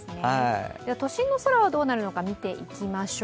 都心の空はどうなるのか、見ていきましょう。